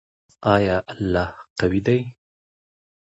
آیا الله قوی دی؟